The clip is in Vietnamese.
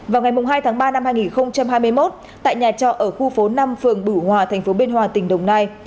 vào ngày hai tháng ba năm hai nghìn hai mươi một tại nhà trọ ở khu phố năm phường bửu hòa tp bên hòa tỉnh đồng nai